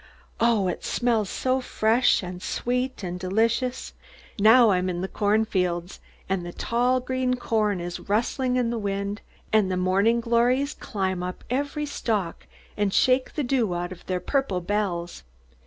Oh, it smells so fresh and sweet and delicious! Now I'm in the corn fields and the tall green corn is rustling in the wind, and the morning glories climb up every stalk and shake the dew out of their purple bells.